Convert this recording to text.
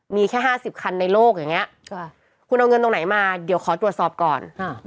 มีแค่ห้าสิบคันในโลกอย่างเงี้ยก็คุณเอาเงินตรงไหนมาเดี๋ยวขอตรวจสอบก่อนอ้าว